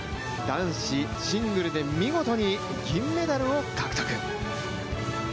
男子シングルで見事に銀メダルを獲得。